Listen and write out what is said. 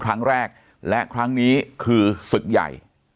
ครั้งแรกและครั้งนี้คือศึกใหญ่